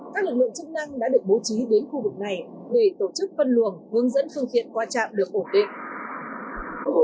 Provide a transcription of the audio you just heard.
các lực lượng chức năng đã được bố trí đến khu vực này để tổ chức phân luồng hướng dẫn phương tiện qua trạm được ổn định